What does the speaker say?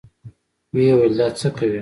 ويې ويل دا څه کوې.